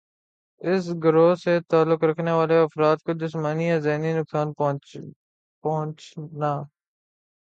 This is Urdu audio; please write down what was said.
اس گروہ سے تعلق رکھنے والے افراد کو جسمانی یا ذہنی نقصان پہنچانا